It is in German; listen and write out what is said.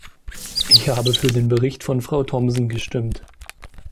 Ich habe für den Bericht von Frau Thomsen gestimmt.